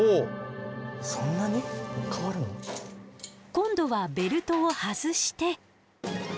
今度はベルトを外して。